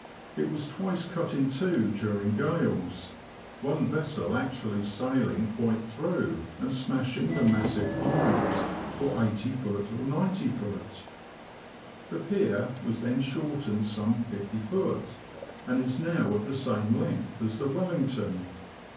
It was twice cut in two during gales, one vessel actually sailing quite through, and smashing the massive piles for Soft, or 90ft. The pier was then shortened some 50ft., and is now of the same length as the Wel lington.